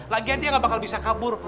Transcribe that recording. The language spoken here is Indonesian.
lagian dia gabakal bisa kabur